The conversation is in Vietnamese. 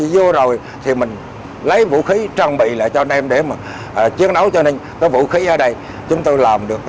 vô rồi thì mình lấy vũ khí trang bị lại cho anh em để mà chiến đấu cho nên cái vũ khí ở đây chúng tôi làm được